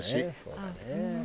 そうだね。